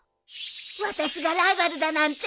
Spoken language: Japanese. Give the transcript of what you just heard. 私がライバルだなんて！